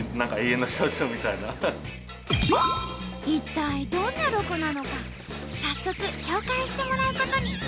一体どんなロコなのか早速紹介してもらうことに。